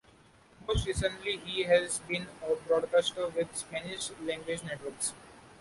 Most recently, he has been a broadcaster with Spanish-language networks.